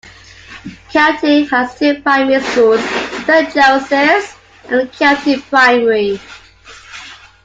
Kelty has two primary schools, Saint Joseph's and Kelty Primary.